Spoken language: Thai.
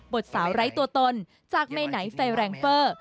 บทสาวไร้ตัวตนจากแม่ไหนไฟแรงเฟอร์